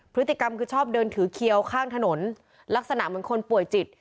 พฤติกรรมคือชอบเดินถือเคี้ยวข้างถนนลักษณะเหมือนคนป่วยจิต